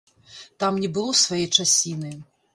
Там не было свае часіны.